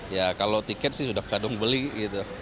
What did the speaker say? ya kalau tiket sih sudah kadung beli gitu